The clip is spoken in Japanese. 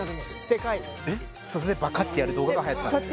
デカい・バカッてやる動画がはやってたんです